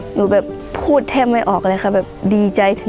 หนูแบบพูดแต้ไม่ออกเลยค่ะ